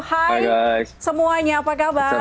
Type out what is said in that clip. hai semuanya apa kabar